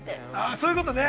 ◆そういうことね。